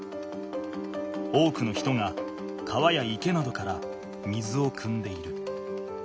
多くの人が川や池などから水をくんでいる。